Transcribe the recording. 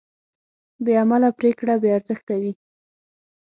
بېعمله پرېکړه بېارزښته وي.